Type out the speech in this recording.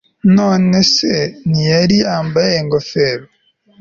nonese ntiyari yambaye ingofero